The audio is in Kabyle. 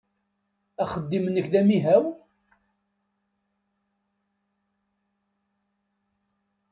Axeddim-nnek d amihaw?